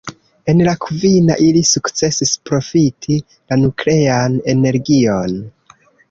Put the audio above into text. En la kvina, ili sukcesis profiti la nuklean energion.